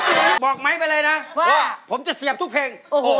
เอาไว้เพื่อนเอาไว้เพื่อน